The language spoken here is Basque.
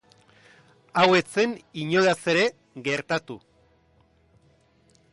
Hau ez zen inolaz ere gertatu.